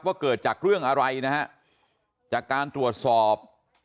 เกิดจากเรื่องอะไรนะฮะจากการตรวจสอบ